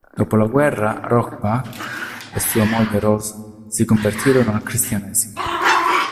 Dopo la guerra, Rohrbach e sua moglie Rose si convertirono al cristianesimo.